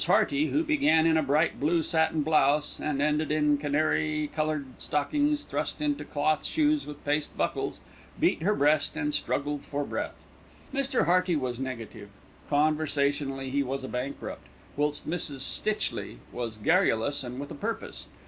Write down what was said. Hearty, who began in a bright blue satin blouse, and ended in canary coloured stockings thrust into cloth shoes with paste buckles, beat her breast and struggled for breath. Mr. Hearty was negative, conversationally he was a bankrupt, whilst Mrs. Stitchley was garrulous and with a purpose.